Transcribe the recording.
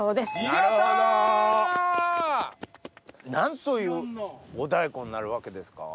何というお大根になるわけですか？